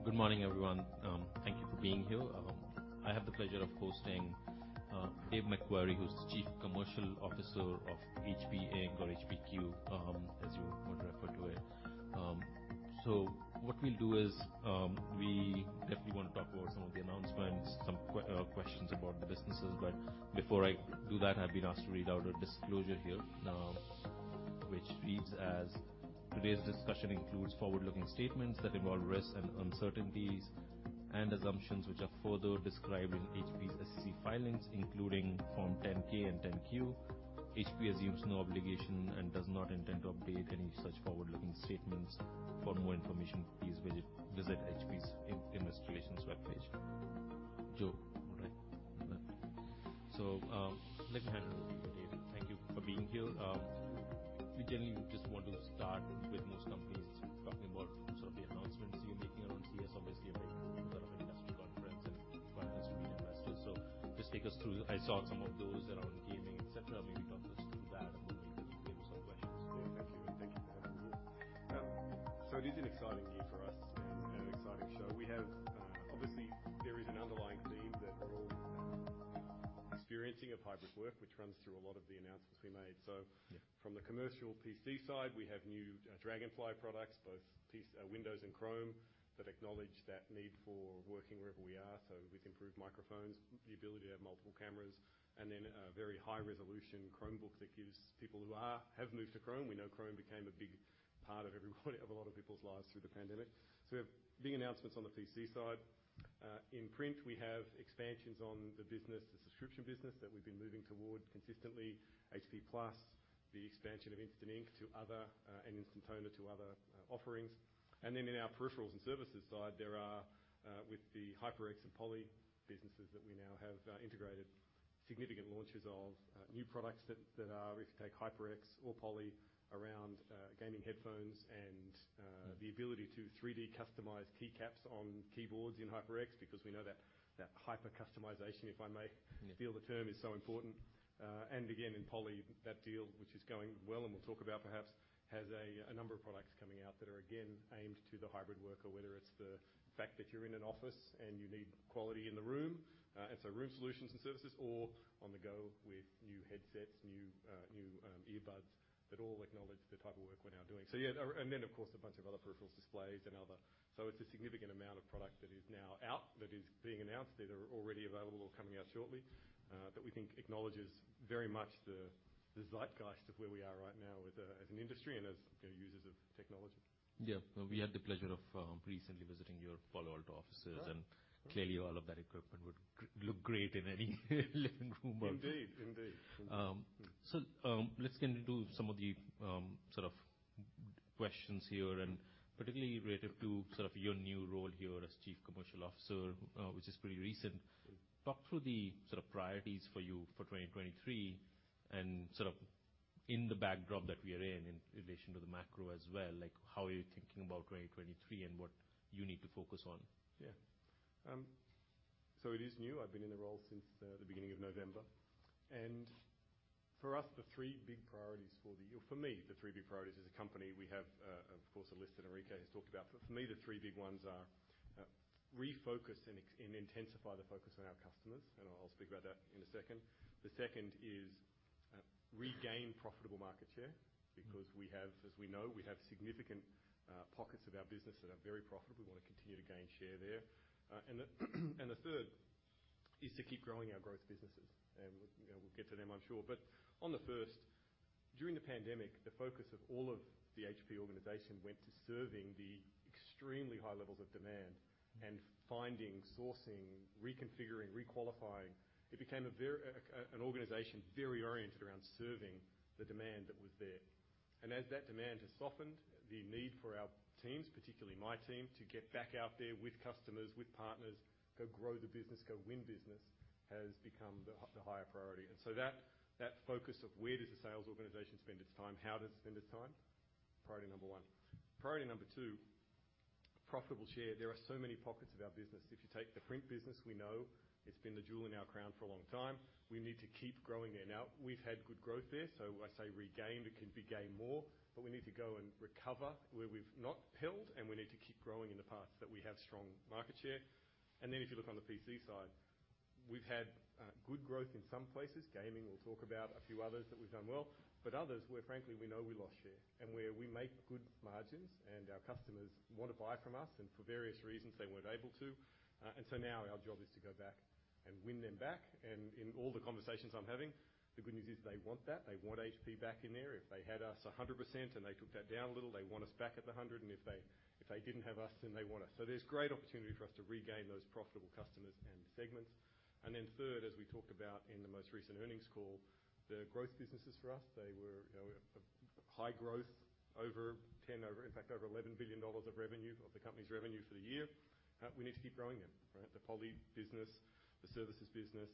Hi, good morning, everyone. Thank you for being here. I have the pleasure of hosting Dave McQuarrie, who's Chief Commercial Officer of HP Inc. or HPQ, as you would refer to it. What we'll do is, we definitely wanna talk about some of the announcements, some questions about the businesses. Before I do that, I've been asked to read out a disclosure here, which reads as, "Today's discussion includes forward-looking statements that involve risks and uncertainties and assumptions which are further described in HP's SEC filings, including Form 10-K and 10-Q. HP assumes no obligation and does not intend to update any such forward-looking statements. For more information, please visit HP's investor relations webpage." Joe. All right. Let me hand it over to you, Dave. Thank you for being here. We generally just want to start with most companies talking about sort of the announcements you're making around CES, obviously a big sort of industry conference and quite a few media investors. Just take us through. I saw some of those around gaming, et cetera. Maybe talk us through that and then we'll be able to take some questions. Yeah. Thank you, and thank you for having me. It is an exciting year for us and an exciting show. We have. Obviously, there is an underlying theme that we're all experiencing of hybrid work, which runs through a lot of the announcements we made. Yeah. From the commercial PC side, we have new Dragonfly products, both piece Windows and Chrome, that acknowledge that need for working wherever we are. With improved microphones, the ability to have multiple cameras, and then a very high resolution Chromebook that gives people who have moved to Chrome. We know Chrome became a big part of everybody of a lot of people's lives through the pandemic. We have big announcements on the PC side. In print, we have expansions on the business, the subscription business that we've been moving toward consistently, HP+, the expansion of Instant Ink to other, and Instant Toner to other offerings. In our peripherals and services side, there are with the HyperX and Poly businesses that we now have integrated significant launches of new products that are... If you take HyperX or Poly around, gaming headphones and, Mm-hmm. the ability to 3D customize keycaps on keyboards in HyperX, because we know that hyper customization, if I may... Yeah. feel the term, is so important. Again, in Poly, that deal which is going well, and we'll talk about perhaps, has a number of products coming out that are again aimed to the hybrid worker, whether it's the fact that you're in an office and you need quality in the room, and so room solutions and services, or on the go with new headsets, new earbuds that all acknowledge the type of work we're now doing. Yeah, there. Of course, a bunch of other peripherals displays and other. It's a significant amount of product that is now out, that is being announced, that are already available or coming out shortly, that we think acknowledges very much the zeitgeist of where we are right now with as an industry and as, you know, users of technology. We had the pleasure of recently visiting your Palo Alto offices. Right. clearly all of that equipment would look great in any living room. Indeed. Indeed. Let's get into some of the sort of questions here, and particularly related to sort of your new role here as Chief Commercial Officer, which is pretty recent. Mm-hmm. Talk through the sort of priorities for you for 2023 and sort of in the backdrop that we are in relation to the macro as well, like how are you thinking about 2023 and what you need to focus on? It is new. I've been in the role since the beginning of November. For us, the three big priorities for the year... For me, the three big priorities. As a company, we have, of course, a list that Enrique has talked about. For me, the three big ones are, refocus and intensify the focus on our customers, and I'll speak about that in a second. The second is, regain profitable market share. Mm-hmm. We have, as we know, we have significant pockets of our business that are very profitable. We wanna continue to gain share there. And the third is to keep growing our growth businesses and, you know, we'll get to them, I'm sure. On the first, during the pandemic, the focus of all of the HP organization went to serving the extremely high levels of demand. Mm-hmm. Finding, sourcing, reconfiguring, re-qualifying. It became a very, an organization very oriented around serving the demand that was there. As that demand has softened, the need for our teams, particularly my team, to get back out there with customers, with partners, go grow the business, go win business, has become the higher priority. That focus of where does the sales organization spend its time? How does it spend its time? Priority number one. Priority number two, profitable share. There are so many pockets of our business. If you take the print business, we know it's been the jewel in our crown for a long time. We need to keep growing there. We've had good growth there, so I say regained, it can be gain more. We need to go and recover where we've not held, and we need to keep growing in the parts that we have strong market share. If you look on the PC side, we've had good growth in some places. Gaming, we'll talk about, a few others that we've done well. Others where frankly, we know we lost share and where we make good margins and our customers wanna buy from us and for various reasons they weren't able to. Now our job is to go back and win them back. In all the conversations I'm having, the good news is they want that. They want HP back in there. If they had us 100% and they took that down a little, they want us back at the 100, and if they didn't have us, then they want us. There's great opportunity for us to regain those profitable customers and segments. Then third, as we talked about in the most recent earnings call, the growth businesses for us, they were, you know, a high growth over $10 billion, in fact, over $11 billion of revenue, of the company's revenue for the year. We need to keep growing them, right? The Poly business, the services business.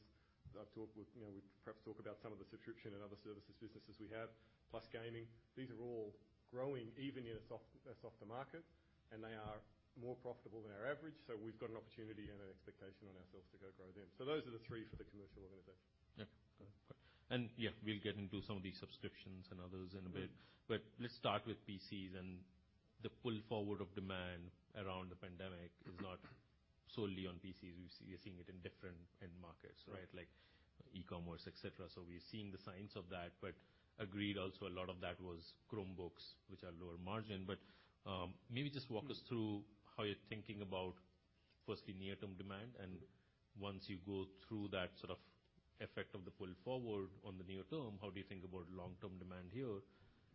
I've talked with, you know, we perhaps talk about some of the subscription and other services businesses we have, plus gaming. These are all growing even in a softer market, and they are more profitable than our average. We've got an opportunity and an expectation on ourselves to go grow them. Those are the three for the commercial organization. Yeah. Go ahead. Go ahead. Yeah, we'll get into some of these subscriptions and others in a bit. Mm-hmm. Let's start with PCs and the pull forward of demand around the pandemic is not solely on PCs. We're seeing it in different end markets. Right like e-commerce, et cetera. We're seeing the signs of that. Agreed also, a lot of that was Chromebooks, which are lower margin. Maybe just walk us through how you're thinking about, firstly, near-term demand, and once you go through that sort of effect of the pull forward on the near term, how do you think about long-term demand here?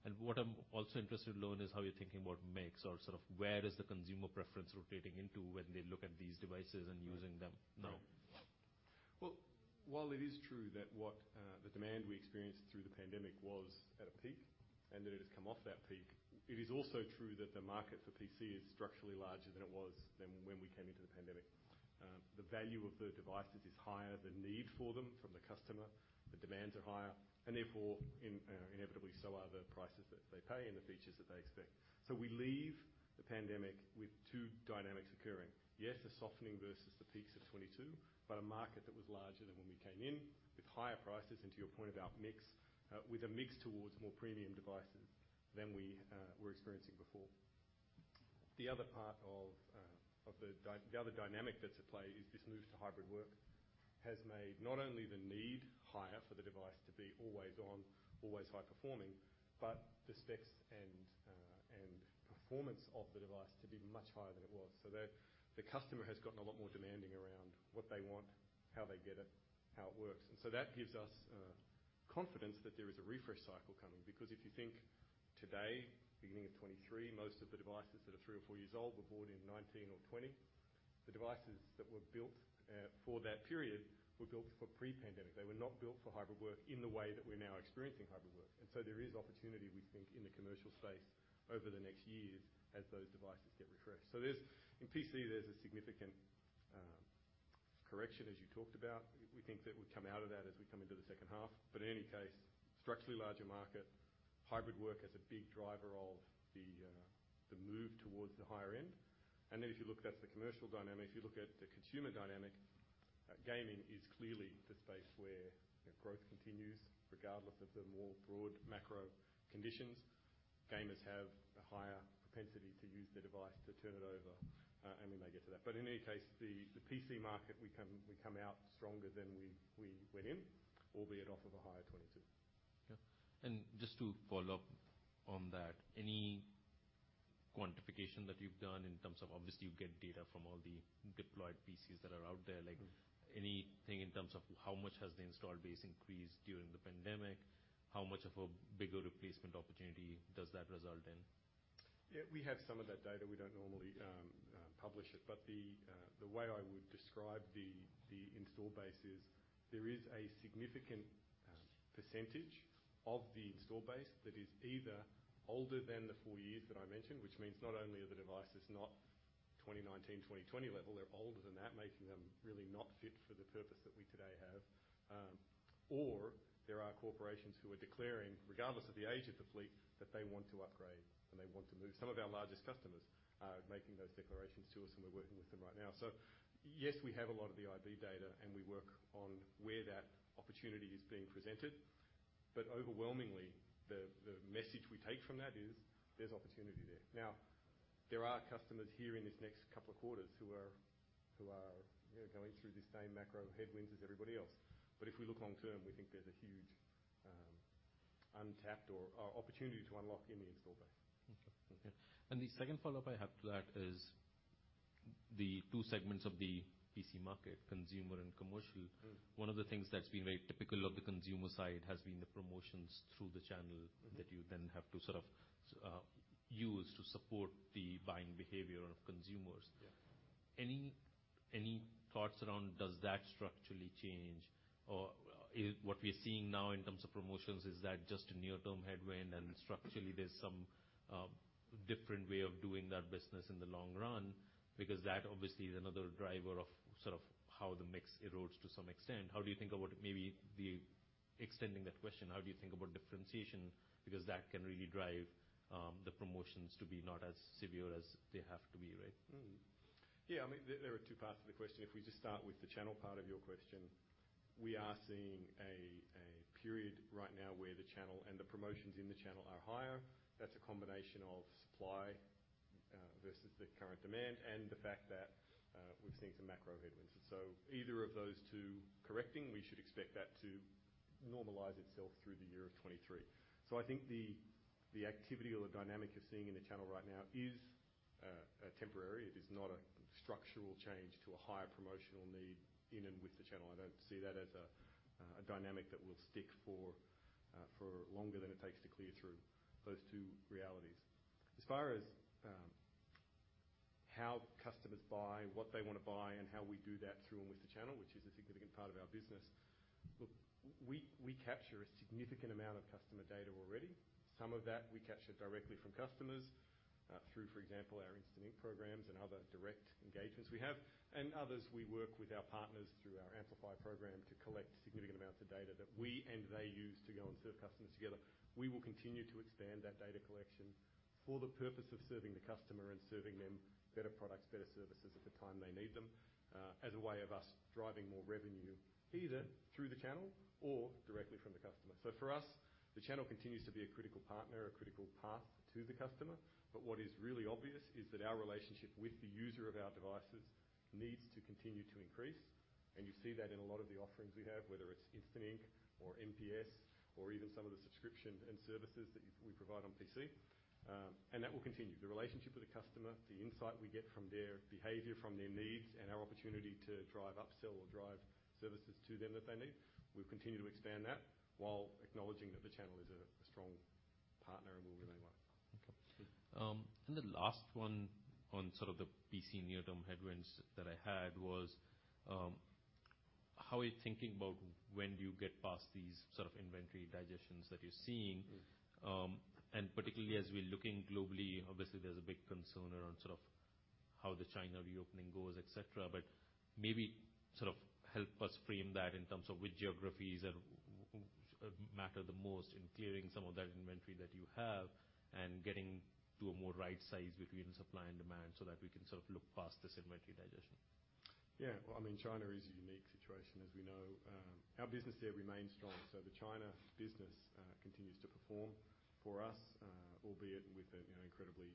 And what I'm also interested to learn is how you're thinking about mix or sort of where is the consumer preference rotating into when they look at these devices and using them now. Well, while it is true that what the demand we experienced through the pandemic was at a peak and that it has come off that peak, it is also true that the market for PC is structurally larger than it was than when we came into the pandemic. The value of the devices is higher, the need for them from the customer, the demands are higher, and therefore, inevitably, so are the prices that they pay and the features that they expect. We leave the pandemic with two dynamics occurring. Yes, a softening versus the peaks of 2022, but a market that was larger than when we came in with higher prices. To your point about mix, with a mix towards more premium devices than we were experiencing before. The other part of the other dynamic that's at play is this move to hybrid work has made not only the need higher for the device to be always on, always high performing, but the specs and performance of the device to be much higher than it was. The customer has gotten a lot more demanding around what they want, how they get it, how it works. That gives us confidence that there is a refresh cycle coming. Because if you think today, beginning of 2023, most of the devices that are three or four years old were bought in 2019 or 2020. The devices that were built for that period were built for pre-pandemic. They were not built for hybrid work in the way that we're now experiencing hybrid work. There is opportunity, we think, in the commercial space over the next years as those devices get refreshed. In PC, there's a significant correction as you talked about. We think that we come out of that as we come into the second half. In any case, structurally larger market, hybrid work is a big driver of the move towards the higher end. If you look, that's the commercial dynamic. If you look at the consumer dynamic, gaming is clearly the space where growth continues regardless of the more broad macro conditions. Gamers have a higher propensity to use the device to turn it over, and we may get to that. In any case, the PC market, we come out stronger than we went in, albeit off of a higher 2022. Yeah. Just to follow up on that, any quantification that you've done in terms of obviously you get data from all the deployed PCs that are out there. Like anything in terms of how much has the install base increased during the pandemic? How much of a bigger replacement opportunity does that result in? Yeah, we have some of that data. We don't normally publish it, but the way I would describe the install base is there is a significant percentage of the install base that is either older than the four years that I mentioned, which means not only are the devices not 2019, 2020 level, they're older than that, making them really not fit for the purpose that we today have. Or there are corporations who are declaring, regardless of the age of the fleet, that they want to upgrade and they want to move. Some of our largest customers are making those declarations to us, and we're working with them right now. Yes, we have a lot of the IB data, and we work on where that opportunity is being presented. Overwhelmingly, the message we take from that is there's opportunity there. Now, there are customers here in this next couple of quarters who are, you know, going through the same macro headwinds as everybody else. If we look long term, we think there's a huge untapped opportunity to unlock in the install base. Okay. Okay. The second follow-up I have to that is the two segments of the PC market, consumer and commercial. Mm-hmm. One of the things that's been very typical of the consumer side has been the promotions through the channel that you then have to sort of use to support the buying behavior of consumers. Yeah. Any thoughts around does that structurally change? What we're seeing now in terms of promotions, is that just a near-term headwind and structurally there's some different way of doing that business in the long run? Because that obviously is another driver of sort of how the mix erodes to some extent. Extending that question, how do you think about differentiation? Because that can really drive the promotions to be not as severe as they have to be, right? Yeah, I mean, there are two parts to the question. If we just start with the channel part of your question, we are seeing a period right now where the channel and the promotions in the channel are higher. That's a combination of supply versus the current demand and the fact that we've seen some macro headwinds. Either of those two correcting, we should expect that to normalize itself through the year of 2023. I think the activity or the dynamic you're seeing in the channel right now is temporary. It is not a structural change to a higher promotional need in and with the channel. I don't see that as a dynamic that will stick for longer than it takes to clear through those two realities. As far as how customers buy, what they wanna buy, and how we do that through and with the channel, which is a significant part of our business. Look, we capture a significant amount of customer data already. Some of that we capture directly from customers, through, for example, our Instant Ink programs and other direct engagements we have. Others, we work with our partners through our Amplify program to collect significant amounts of data that we and they use to go and serve customers together. We will continue to expand that data collection for the purpose of serving the customer and serving them better products, better services at the time they need them. As a way of us driving more revenue, either through the channel or directly from the customer. For us, the channel continues to be a critical partner, a critical path to the customer. What is really obvious is that our relationship with the user of our devices needs to continue to increase, and you see that in a lot of the offerings we have, whether it's Instant Ink or MPS, or even some of the subscription and services that we provide on PC. That will continue. The relationship with the customer, the insight we get from their behavior, from their needs, and our opportunity to drive upsell or drive services to them if they need, we've continued to expand that while acknowledging that the channel is a strong partner and will remain one. Okay. The last one on sort of the PC near-term headwinds that I had was, how are you thinking about when do you get past these sort of inventory digesters that you're seeing? Mm-hmm. Particularly as we're looking globally, obviously, there's a big concern around sort of how the China reopening goes, et cetera. Maybe sort of help us frame that in terms of which geographies matter the most in clearing some of that inventory that you have and getting to a more right size between supply and demand so that we can sort of look past this inventory digestion. Well, I mean, China is a unique situation, as we know. Our business there remains strong. The China business continues to perform for us, albeit with a, you know, incredibly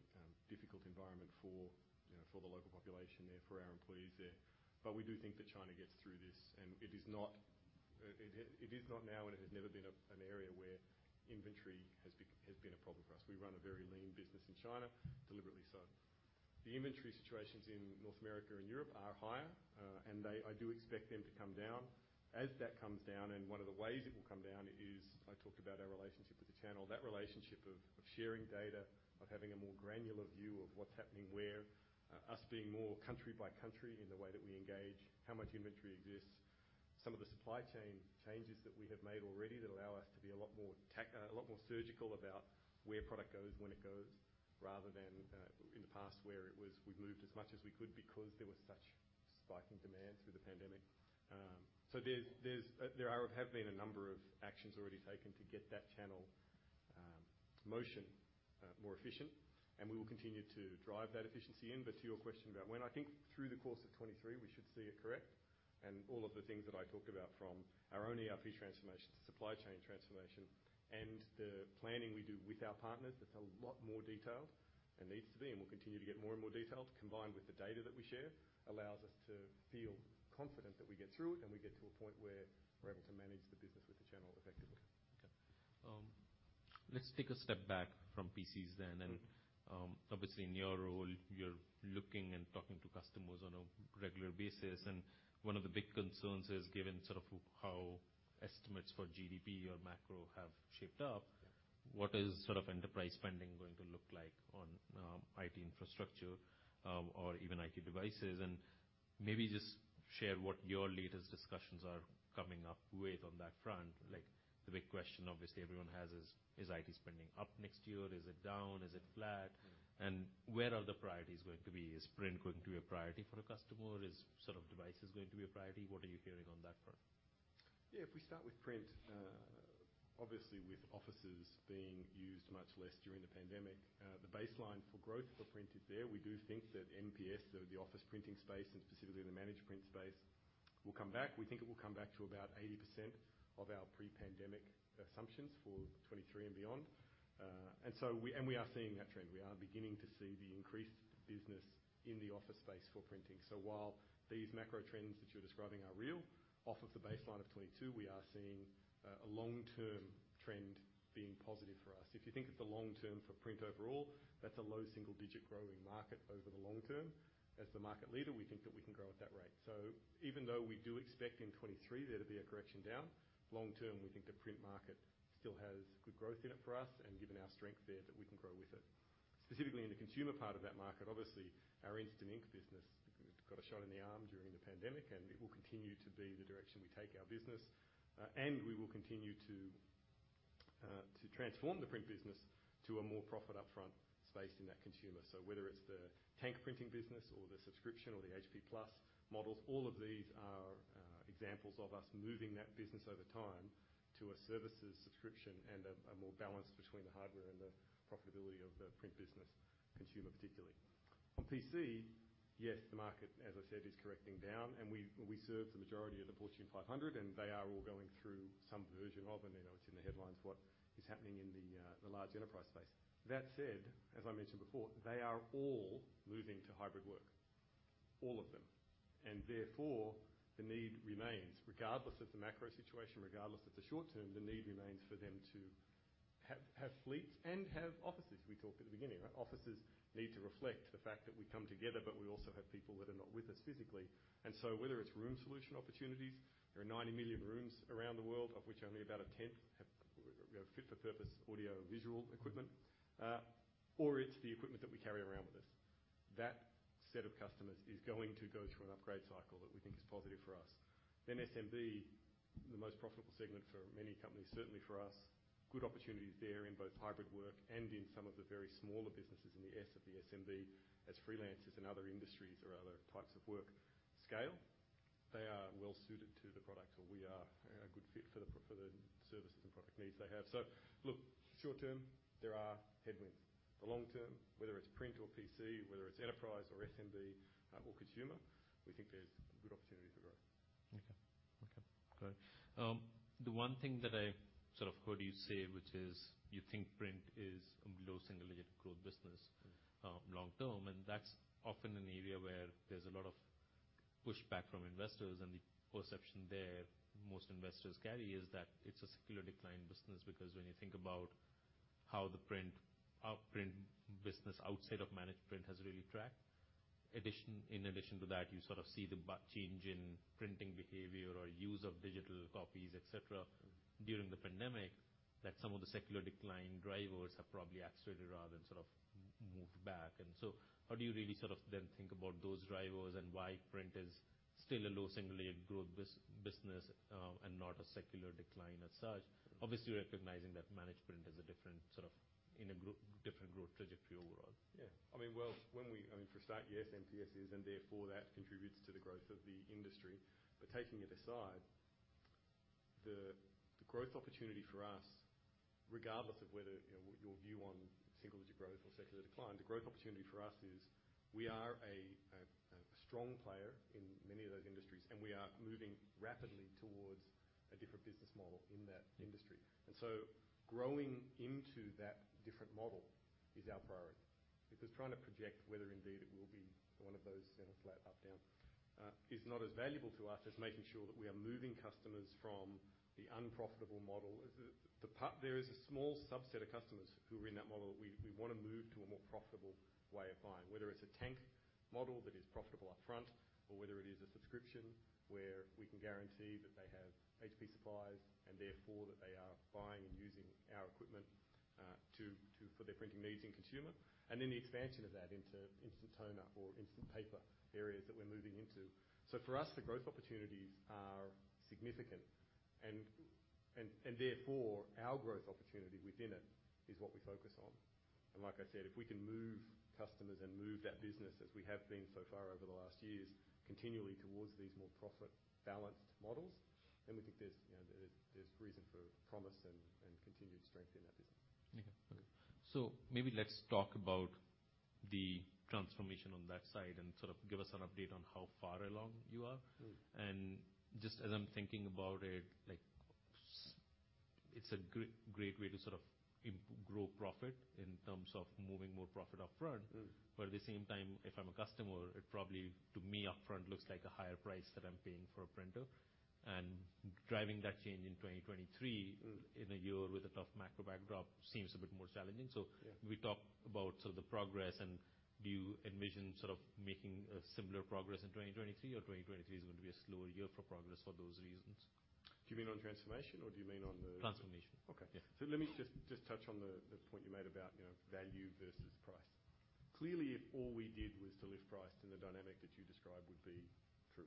difficult environment for, you know, for the local population there, for our employees there. We do think that China gets through this, and it is not, it is not now, and it has never been an area where inventory has been a problem for us. We run a very lean business in China, deliberately so. The inventory situations in North America and Europe are higher, and they. I do expect them to come down. As that comes down, and one of the ways it will come down is I talked about our relationship with the channel. That relationship of sharing data, of having a more granular view of what's happening where, us being more country by country in the way that we engage, how much inventory exists. Some of the supply chain changes that we have made already that allow us to be a lot more surgical about where product goes, when it goes, rather than in the past, where it was, we moved as much as we could because there was such spike in demand through the pandemic. There's, there are or have been a number of actions already taken to get that channel, motion, more efficient, and we will continue to drive that efficiency in. To your question about when, I think through the course of 2023, we should see it correct. All of the things that I talked about from our own ERP transformation to supply chain transformation and the planning we do with our partners, that's a lot more detailed and needs to be, and we'll continue to get more and more detailed, combined with the data that we share, allows us to feel confident that we get through it and we get to a point where we're able to manage the business with the channel effectively. Let's take a step back from PCs then. Mm-hmm. Obviously, in your role, you're looking and talking to customers on a regular basis, and one of the big concerns is given sort of how estimates for GDP or macro have shaped up. Yeah... what is sort of enterprise spending going to look like on IT infrastructure, or even IT devices? Maybe just share what your latest discussions are coming up with on that front. Like, the big question obviously everyone has is IT spending up next year? Is it down? Is it flat? Yeah. Where are the priorities going to be? Is print going to be a priority for a customer? Is sort of devices going to be a priority? What are you hearing on that front? Yeah. If we start with print, obviously, with offices being used much less during the pandemic, the baseline for growth for print is there. We do think that MPS, so the office printing space and specifically the managed print space, will come back. We think it will come back to about 80% of our pre-pandemic assumptions for 2023 and beyond. We are seeing that trend. We are beginning to see the increased business in the office space for printing. While these macro trends that you're describing are real, off of the baseline of 2022, we are seeing a long-term trend being positive for us. If you think of the long term for print overall, that's a low single-digit growing market over the long term. As the market leader, we think that we can grow at that rate. Even though we do expect in 2023 there to be a correction down, long term, we think the print market still has good growth in it for us, and given our strength there, that we can grow with it. Specifically in the consumer part of that market, obviously, our Instant Ink business got a shot in the arm during the pandemic, and it will continue to be the direction we take our business. We will continue to transform the print business to a more profit upfront space in that consumer. Whether it's the tank printing business or the subscription or the HP+ models, all of these are examples of us moving that business over time to a services subscription and a more balance between the hardware and the profitability of the print business consumer, particularly. On PC, yes, the market, as I said, is correcting down, and we serve the majority of the Fortune 500, and they are all going through some version of, and, you know, it's in the headlines, what is happening in the large enterprise space. That said, as I mentioned before, they are all moving to hybrid work. All of them. Therefore, the need remains. Regardless of the macro situation, regardless of the short term, the need remains for them to have fleets and have offices. We talked at the beginning, right? Offices need to reflect the fact that we come together, but we also have people that are not with us physically. Whether it's room solution opportunities, there are 90 million rooms around the world, of which only about a tenth have fit for purpose audiovisual equipment, or it's the equipment that we carry around with us. That set of customers is going to go through an upgrade cycle that we think is positive for us. SMB, the most profitable segment for many companies, certainly for us, good opportunities there in both Hybrid Work and in some of the very smaller businesses in the S of the SMB as freelancers in other industries or other types of work scale. They are well suited to the product or we are a good fit for the services and product needs they have. Look, short term, there are headwinds. The long term, whether it's print or PC, whether it's enterprise or SMB, or consumer, we think there's good opportunity for growth. Okay. Okay, great. The one thing that I sort of heard you say, which is you think print is a low single-digit growth business, long term, and that's often an area where there's a lot of push back from investors. The perception there most investors carry is that it's a secular decline business, because when you think about how our print business outside of Managed Print has really tracked. In addition to that, you sort of see the change in printing behavior or use of digital copies, et cetera, during the pandemic, that some of the secular decline drivers have probably accelerated rather than sort of moved back. How do you really sort of then think about those drivers and why print is still a low single-digit growth business, and not a secular decline as such? Obviously, recognizing that Managed Print is a different sort of, in a different growth trajectory overall. Yeah. I mean, well, I mean, for start, yes, MPS is, and therefore, that contributes to the growth of the industry. Taking it aside, the growth opportunity for us, regardless of whether, you know, your view on single-digit growth or secular decline, the growth opportunity for us is we are a strong player in many of those industries, and we are moving rapidly towards a different business model in that industry. Growing into that different model is our priority. Because trying to project whether indeed it will be one of those, you know, flat up, down, is not as valuable to us as making sure that we are moving customers from the unprofitable model. There is a small subset of customers who are in that model that we wanna move to a more profitable way of buying, whether it's a tank model that is profitable up front, or whether it is a subscription where we can guarantee that they have HP supplies and therefore that they are buying and using our equipment to for their printing needs in consumer. Then the expansion of that into Instant Toner or instant paper areas that we're moving into. For us, the growth opportunities are significant and therefore, our growth opportunity within it is what we focus on. Like I said, if we can move customers and move that business as we have been so far over the last years continually towards these more profit balanced models, we think there's, you know, there's reason for promise and continued strength in that business. Okay, great. Maybe let's talk about the transformation on that side and sort of give us an update on how far along you are. Mm. Just as I'm thinking about it, like it's a great way to sort of grow profit in terms of moving more profit up front. Mm. At the same time, if I'm a customer, it probably, to me up front looks like a higher price that I'm paying for a printer. Driving that change in 2023... Mm... in a year with a tough macro backdrop seems a bit more challenging. Yeah. Can we talk about sort of the progress and do you envision sort of making a similar progress in 2023 or 2023 is going to be a slower year for progress for those reasons? Do you mean on transformation or do you mean on? Transformation. Okay. Yeah. Let me just touch on the point you made about, you know, value versus price. Clearly, if all we did was to lift price then the dynamic that you described would be true.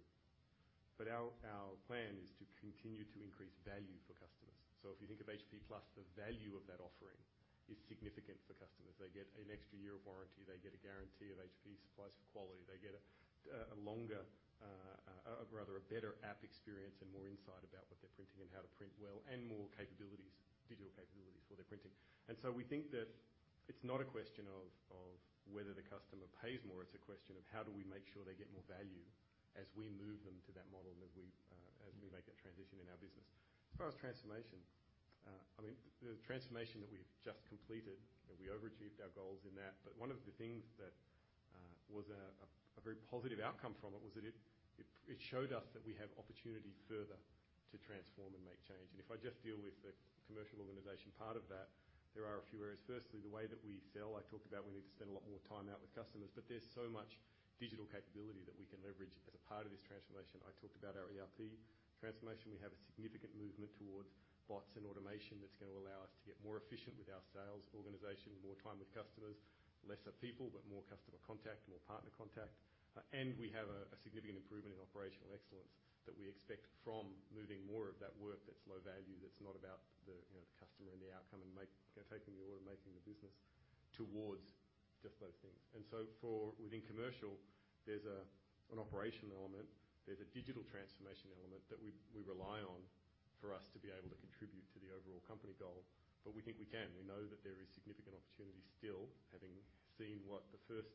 Our plan is to continue to increase value for customers. If you think of HP+, the value of that offering is significant for customers. They get an extra year of warranty. They get a guarantee of HP supplies for quality. They get a longer, rather a better app experience and more insight about what they're printing and how to print well, and more capabilities, digital capabilities for their printing. We think that it's not a question of whether the customer pays more, it's a question of how do we make sure they get more value as we move them to that model and as we make that transition in our business. As far as transformation, I mean, the transformation that we've just completed, and we overachieved our goals in that, but one of the things that was a very positive outcome from it was that it showed us that we have opportunity further to transform and make change. If I just deal with the commercial organization part of that, there are a few areas. The way that we sell, I talked about we need to spend a lot more time out with customers, but there's so much digital capability that we can leverage as a part of this transformation. I talked about our ERP transformation. We have a significant movement towards bots and automation that's going to allow us to get more efficient with our sales organization, more time with customers, lesser people, but more customer contact, more partner contact. We have a significant improvement in operational excellence that we expect from moving more of that work that's low value, that's not about the, you know, the customer and the outcome and make, you know, taking the order and making the business towards just those things. For... within commercial, there's an operational element, there's a digital transformation element that we rely on for us to be able to contribute to the overall company goal. We think we can. We know that there is significant opportunity still, having seen what the first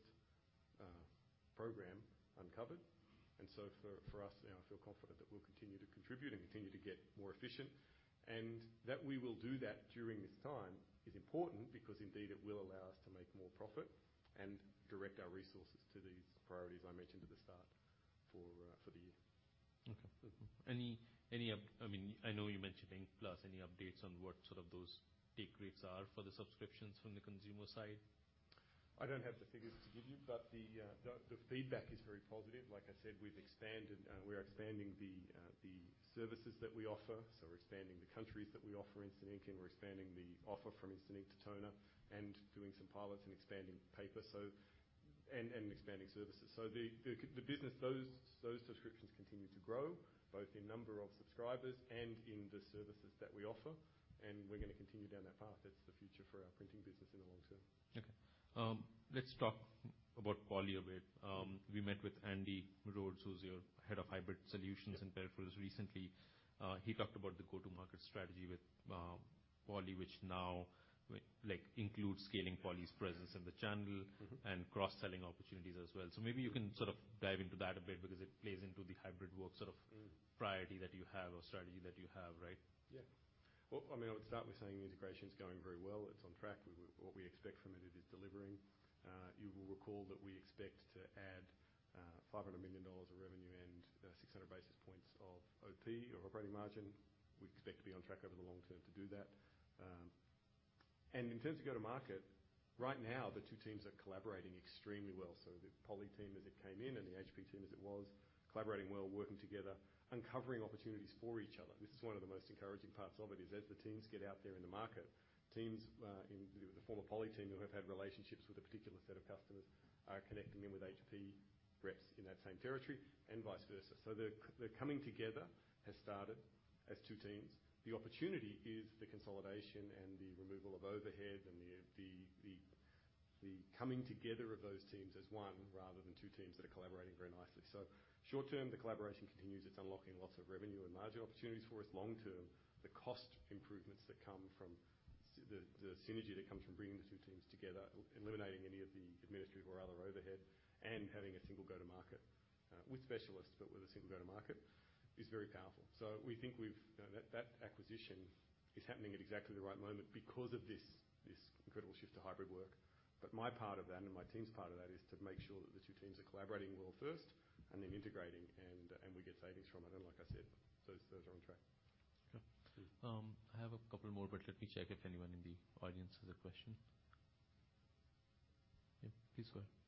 program uncovered. For us, you know, I feel confident that we'll continue to contribute and continue to get more efficient. That we will do that during this time is important because indeed, it will allow us to make more profit and direct our resources to these priorities I mentioned at the start for the year. Okay. Any, I mean, I know you mentioned HP+. Any updates on what sort of those take rates are for the subscriptions from the consumer side? I don't have the figures to give you, but the feedback is very positive. Like I said, we've expanded, we're expanding the services that we offer. We're expanding the countries that we offer Instant Ink, and we're expanding the offer from Instant Ink to Toner and doing some pilots and expanding paper, and expanding services. The business, those subscriptions continue to grow both in number of subscribers and in the services that we offer, and we're gonna continue down that path. That's the future for our printing business in the long term. Okay. Let's talk about Poly a bit. We met with Andy Rhodes, who's your head of hybrid solutions. Yeah. -in Perth recently. he talked about the go-to-market strategy with, Poly, which now includes scaling Poly's presence in the channel- Mm-hmm. -and cross-selling opportunities as well. Maybe you can sort of dive into that a bit because it plays into the hybrid work sort of. Mm. priority that you have or strategy that you have, right? Well, I mean, I would start with saying the integration's going very well. It's on track. What we expect from it is delivering. You will recall that we expect to add $500 million of revenue and 600 basis points of OP or operating margin. We expect to be on track over the long term to do that. In terms of go-to-market, right now, the two teams are collaborating extremely well. The Poly team as it came in and the HP team as it was, collaborating well, working together, uncovering opportunities for each other. This is one of the most encouraging parts of it, is as the teams get out there in the market. the former Poly team who have had relationships with a particular set of customers are connecting them with HP reps in that same territory and vice versa. The coming together has started as two teams. The opportunity is the consolidation and the removal of overhead and the coming together of those teams as one rather than two teams that are collaborating very nicely. Short term, the collaboration continues. It's unlocking lots of revenue and margin opportunities for us. Long term, the cost improvements that come from the synergy that comes from bringing the two teams together, eliminating any of the administrative or other overhead and having a single go-to-market, with specialists, but with a single go-to-market is very powerful. We think we've... That acquisition is happening at exactly the right moment because of this incredible shift to hybrid work. My part of that and my team's part of that is to make sure that the two teams are collaborating well first and then integrating and we get savings from it. Like I said, those are on track. Okay. I have a couple more, but let me check if anyone in the audience has a question. Yeah, please go ahead.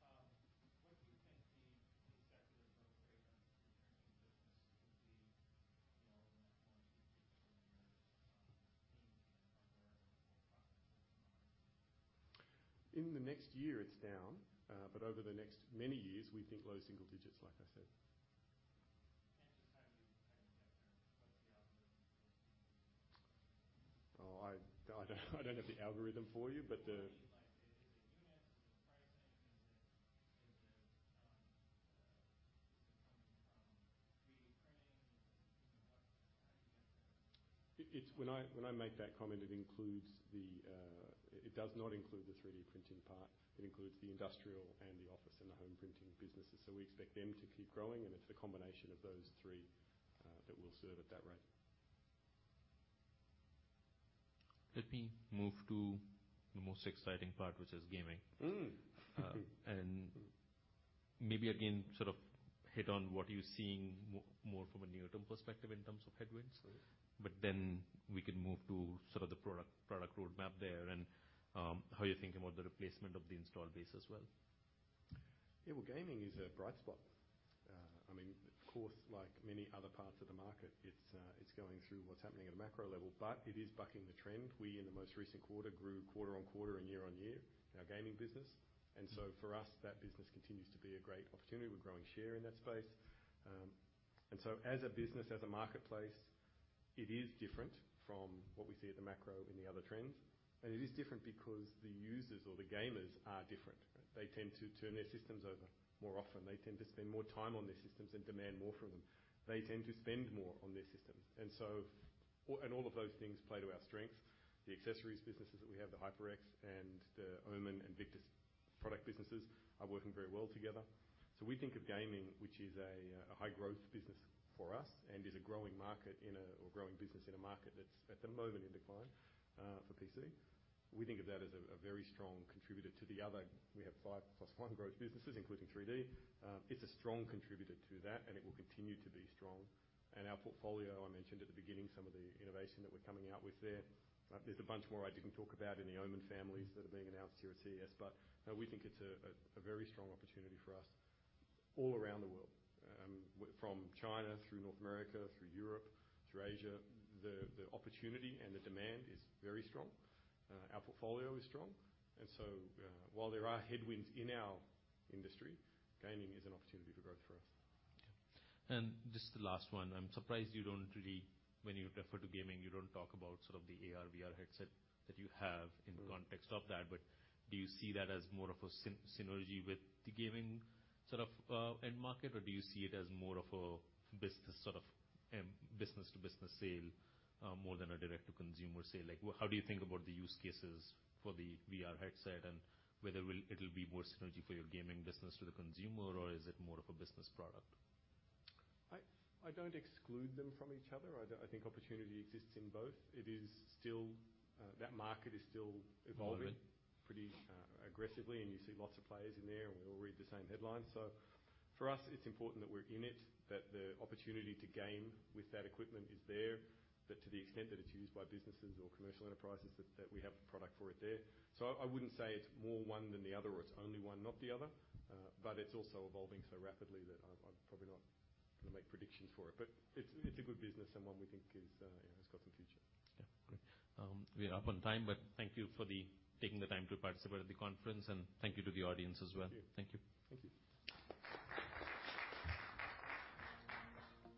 What do you think the secular growth rate on the printing business will be, you know, in the next 1 to 2, 3 years, are there processes? In the next year, it's down. Over the next many years, we think low single digits, like I said. Just how do you get there? What's the algorithm for. Oh, I don't have the algorithm for you. I mean, like, is it units? Is it pricing? Is it coming from 3D printing? Is it, you know, what's the, how do you get there? It's, when I make that comment, it includes the. It does not include the 3D printing part. It includes the industrial and the office and the home printing businesses, so we expect them to keep growing, and it's the combination of those three that will serve at that rate. Let me move to the most exciting part, which is gaming. Mm. maybe again, sort of hit on what you're seeing more from a near-term perspective in terms of headwinds. Sure. We can move to sort of the product roadmap there and, how you're thinking about the replacement of the install base as well. Yeah, well, gaming is a bright spot. I mean, of course, like many other parts of the market, it's going through what's happening at a macro level, but it is bucking the trend. We, in the most recent quarter, grew quarter-over-quarter and year-over-year in our gaming business. Mm. For us, that business continues to be a great opportunity. We're growing share in that space. As a business, as a marketplace, it is different from what we see at the macro in the other trends. It is different because the users or the gamers are different. They tend to turn their systems over more often. They tend to spend more time on their systems and demand more from them. They tend to spend more on their systems. All of those things play to our strengths. The accessories businesses that we have, the HyperX and the OMEN and Victus product businesses are working very well together. We think of gaming, which is a high growth business for us and is a growing market in a, or growing business in a market that's at the moment in decline, for PC. We think of that as a very strong contributor to the other... We have five plus one growth businesses, including 3D. It's a strong contributor to that, and it will continue to be strong. Our portfolio, I mentioned at the beginning some of the innovation that we're coming out with there. There's a bunch more I didn't talk about in the OMEN families that are being announced here at CES. You know, we think it's a very strong opportunity for us all around the world. From China through North America, through Europe, through Asia, the opportunity and the demand is very strong. Our portfolio is strong. While there are headwinds in our industry, gaming is an opportunity for growth for us. Okay. Just the last one. I'm surprised you don't really... When you refer to gaming, you don't talk about sort of the AR/VR headset that you have- Mm. in the context of that. Do you see that as more of a synergy with the gaming sort of end market? Do you see it as more of a business, sort of, business to business sale, more than a direct to consumer sale? Like, how do you think about the use cases for the VR headset and whether it'll be more synergy for your gaming business to the consumer or is it more of a business product? I don't exclude them from each other. I think opportunity exists in both. It is still, that market is still evolving- Evolving. Pretty, aggressively, and you see lots of players in there, and we all read the same headlines. For us, it's important that we're in it, that the opportunity to game with that equipment is there, that to the extent that it's used by businesses or commercial enterprises, that we have product for it there. I wouldn't say it's more one than the other or it's only one, not the other. It's also evolving so rapidly that I'm probably not gonna make predictions for it. It's a good business and one we think is, you know, has got some future. Yeah. Great. We are up on time, but thank you for taking the time to participate at the conference, and thank you to the audience as well. Thank you. Thank you. Thank you.